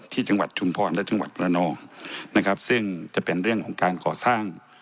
จังหวัดชุมพรและจังหวัดระนองนะครับซึ่งจะเป็นเรื่องของการก่อสร้าง